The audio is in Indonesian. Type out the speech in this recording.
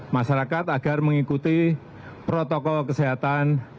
masyarakat agar mengikuti protokol kesehatan